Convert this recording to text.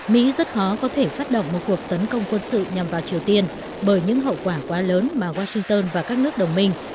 mỹ rất khó có thể phát động một cuộc tấn công quân sự nhằm vào triều tiên bởi những hậu quả quá lớn mà washington và các nước đồng minh